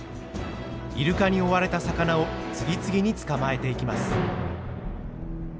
イルカに追われた魚を次々に捕まえていきます。